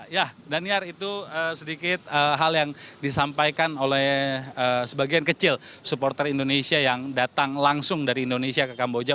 ya daniar itu sedikit hal yang disampaikan oleh sebagian kecil supporter indonesia yang datang langsung dari indonesia ke kamboja